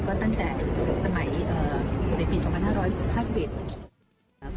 ก็ตั้งแต่สมัยในปี๒๕๕๑